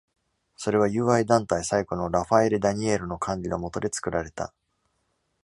それは友愛団体最古のラファエレ・ダニエールの管理の下で造られた。